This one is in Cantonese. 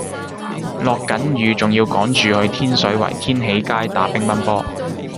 落緊雨仲要趕住去天水圍天喜街打乒乓波